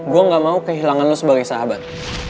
gue gak mau kehilangan lo sebagai sahabat